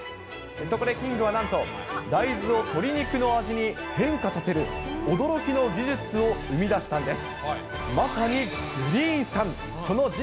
そこでキングはなんと、大豆を鶏肉の味に変化させる驚きの技術を生み出したんです。